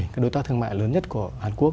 các đối tác thương mại lớn nhất của hàn quốc